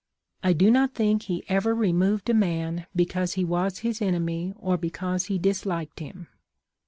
" I do not think he ever removed a man because he was his enemy or because he disliked him.